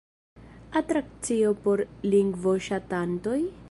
Atrakcio por lingvoŝatantoj?